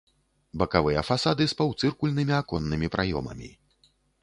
Бакавыя фасады з паўцыркульнымі аконнымі праёмамі.